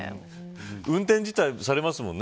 運転自体されますもんね。